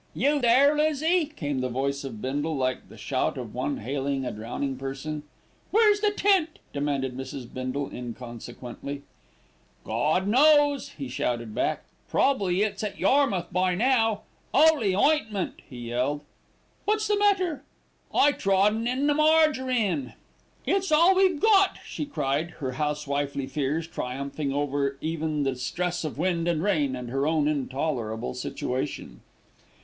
"You there, Lizzie?" came the voice of Bindle, like the shout of one hailing a drowning person. "Where's the tent?" demanded Mrs. Bindle inconsequently. "Gawd knows!" he shouted back. "Probably it's at Yarmouth by now. 'Oly ointment," he yelled. "What's the matter?" "I trodden on the marjarine." "It's all we've got," she cried, her housewifely fears triumphing over even the stress of wind and rain and her own intolerable situation.